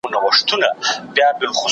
زه سبا ته فکر نه کوم!.